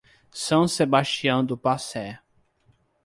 São Sebastião do Passé